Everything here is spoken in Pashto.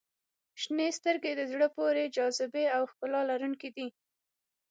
• شنې سترګې د زړه پورې جاذبې او ښکلا لرونکي دي.